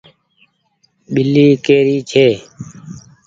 ٻلي ڪي ري ڇي۔